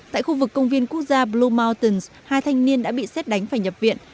tại khu vực công viên quốc gia blue mortons hai thanh niên đã bị xét đánh phải nhập viện